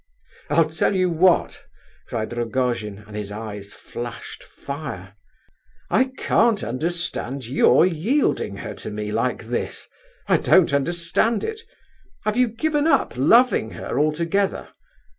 "I'll tell you what!" cried Rogojin, and his eyes flashed fire. "I can't understand your yielding her to me like this; I don't understand it. Have you given up loving her altogether?